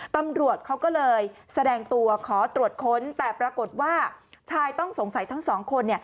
ตำรวจเขาก็เลยแสดงตัวขอตรวจค้นแต่ปรากฏว่าชายต้องสงสัยทั้งสองคน